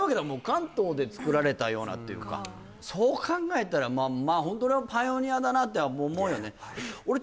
関東で作られたようなっていうかそう考えたらまあ本当のパイオニアだなって思うよね